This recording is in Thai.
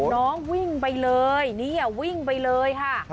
น้องวิ่งไปเลยนี่วิ่งไปเลยค่ะ